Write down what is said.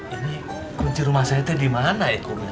ini kunci rumah saya dimana ya kum